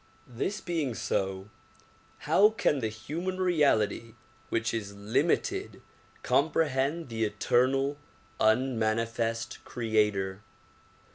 This being so, how can the human reality which is limited com prehend the eternal, unmanifest creator?